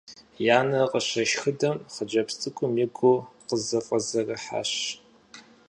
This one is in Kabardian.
И анэр къыщешхыдэм, хъыджэбз цӀыкӀум и гур къызэфӀэзэрыхьащ.